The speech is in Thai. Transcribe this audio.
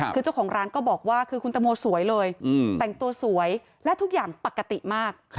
คือเจ้าของร้านก็บอกว่าคือคุณตังโมสวยเลยแต่งตัวสวยและทุกอย่างปกติมาก